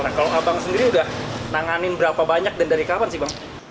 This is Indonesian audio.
nah kalau abang sendiri udah nanganin berapa banyak dan dari kapan sih bang